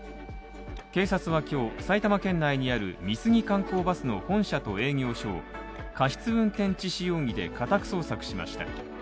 警察は今日、埼玉県内にある美杉観光バスの本社と営業所を過失運転致死容疑で家宅捜索しました。